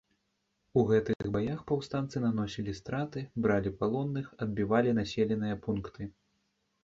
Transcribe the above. У гэтых баях паўстанцы наносілі страты, бралі палонных, адбівалі населеныя пункты.